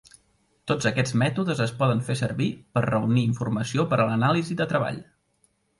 Tots aquests mètodes es poden fer servir per reunir informació per a l'anàlisi de treball.